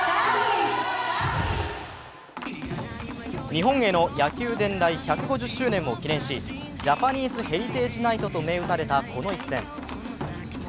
日本への野球伝来１５０周年を記念し、ジャパニーズ・ヘリテージ・ナイトと銘打たれたこの一戦。